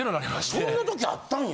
そんな時あったんや。